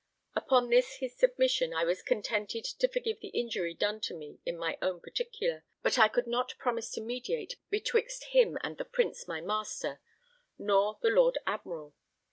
Upon this his submission, I was contented to forgive the injury done to me in my own particular, but I could not promise to mediate betwixt him and the Prince my master, nor the Lord Admiral.